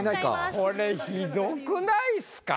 これひどくないっすか？